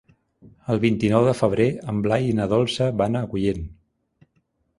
El vint-i-nou de febrer en Blai i na Dolça van a Agullent.